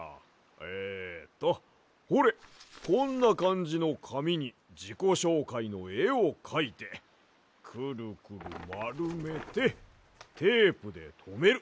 えっとほれこんなかんじのかみにじこしょうかいのえをかいてクルクルまるめてテープでとめる。